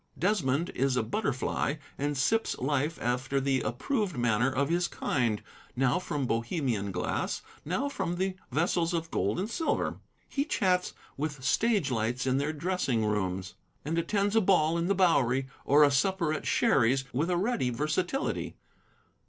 Desmond is a butterfly, and sips life after the approved manner of his kind, now from Bohemian glass, now from vessels of gold and silver. He chats with stage lights in their dressing rooms, and attends a ball in the Bowery or a supper at Sherry's with a ready versatility.